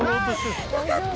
よかった。